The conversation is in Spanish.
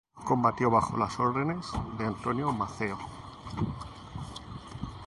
Combatió bajo las órdenes de Antonio Maceo.